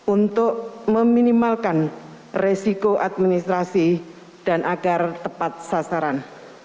untuk meminimalkan resiko administrasi dan agar tepat sasaran